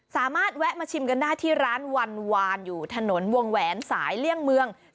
สามารถแวะมาชิมกันได้ที่ร้านวันวานอยู่ถนนวงแหวนสายเลี่ยงเมือง